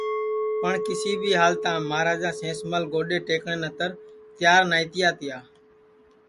پٹؔ کیسی بھی ہالتام مہاراجا سینس مل گوڈؔے ٹئکٹؔے نتر تیار نائی تیا تیا